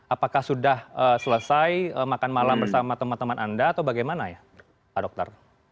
apakah sudah selesai makan malam bersama teman teman anda atau bagaimana ya pak dokter